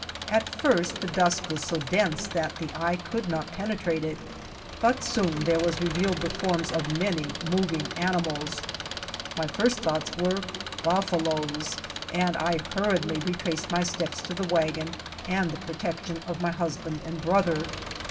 At first the dust was so dense that the eye could not penetrate it, but soon there was revealed the forms of many moving animals. My first thoughts were "buffaloes," and I hurriedly retraced my steps to the wagon and the protection of my husband and brother.